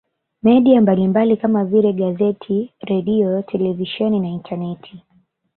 Media mbalimbali kama vile gazeti redio televisheni na intaneti